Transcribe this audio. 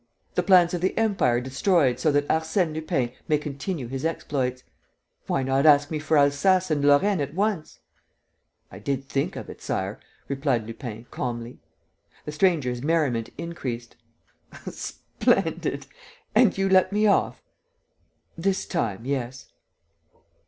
... The plans of the Empire destroyed so that Arsène Lupin may continue his exploits! ... Why not ask me for Alsace and Lorraine at once?" "I did think of it, Sire," replied Lupin, calmly. The stranger's merriment increased: "Splendid! And you let me off?" "This time, yes."